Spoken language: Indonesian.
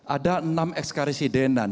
ada enam ekskarisidenan